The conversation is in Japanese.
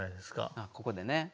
あここでね。